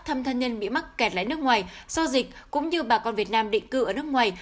thăm thân nhân bị mắc kẹt lại nước ngoài do dịch cũng như bà con việt nam định cư ở nước ngoài